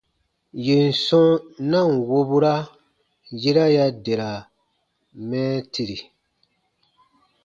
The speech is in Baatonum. Yèn sɔ̃ na ǹ wobura, yera ya dera mɛɛtiri.